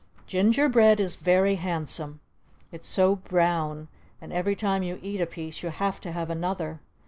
Ginger bread is very handsome! It's so brown! And every time you eat a piece you have to have another!